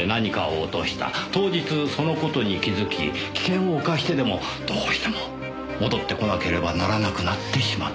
当日その事に気づき危険を冒してでもどうしても戻ってこなければならなくなってしまった。